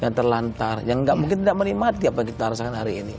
yang terlantar yang nggak mungkin tidak menikmati apa yang kita rasakan hari ini